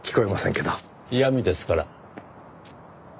嫌みですから。